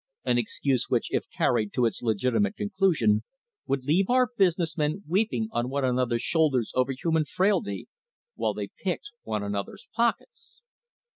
an excuse which, if carried to its legitimate conclusion, would leave our busi ness men weeping on one another's shoulders over human frailty, while they picked one another's pockets.